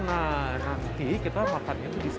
nah nanti kita makan disini